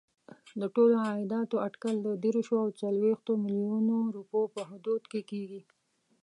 د ټولو عایداتو اټکل د دېرشو او څلوېښتو میلیونو روپیو په حدودو کې کېږي.